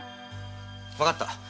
わかった。